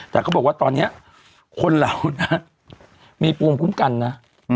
แต่เขาบอกว่าตอนนี้คนเรานะมีภูมิคุ้มกันนะ